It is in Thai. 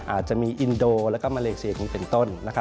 อาจจะมีอินโดแล้วก็มาเลเซียนี้เป็นต้น